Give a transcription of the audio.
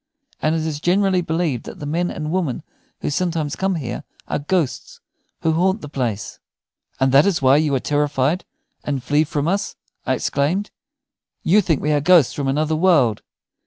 And it is generally believed that the men and women who sometimes come here are ghosts who haunt the place." "And that is why you are terrified and flee from us?" I exclaimed. "You think we are ghosts from another world?"